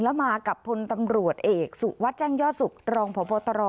แล้วมากับพนตำรวจเอกสุวัตจังยสุกรองพร